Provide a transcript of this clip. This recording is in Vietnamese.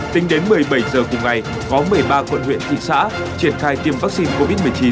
tính đến một mươi bảy h cùng ngày có một mươi ba quận huyện thị xã triển khai tiêm vaccine covid một mươi chín